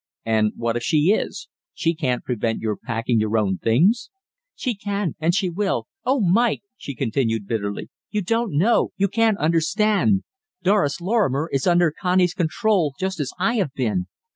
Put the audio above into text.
"And what if she is? She can't prevent your packing your own things?" "She can, and she will. Oh, Mike," she continued bitterly, "you don't know you can't understand. Doris Lorrimer is under Connie's control, just as I have been.